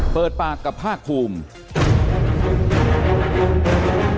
เปิดปากกับภาคภูมิ